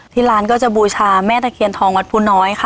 ที่ร้านก็จะบูชาแม่ตะเคียนทองวัดภูน้อยค่ะ